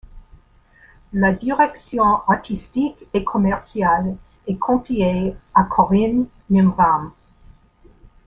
La direction artistique et commerciale est confiée à Corinne Mimram.